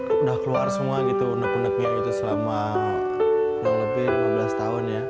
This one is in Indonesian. sudah keluar semua gitu unek uneknya itu selama kurang lebih lima belas tahun ya